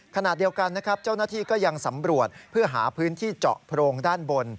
ขณะเดียวกันนะครับเจ้าหน้าที่ก็ยังสำรวจเพื่อหาพื้นที่เจาะโพรงด้านบน